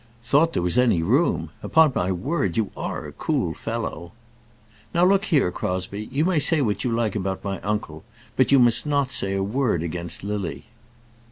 "Thought there was any room! Upon my word, you are a cool fellow." "Now look here, Crosbie; you may say what you like about my uncle, but you must not say a word against Lily."